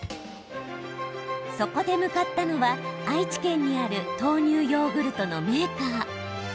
そこで向かったのは愛知県にある豆乳ヨーグルトのメーカー。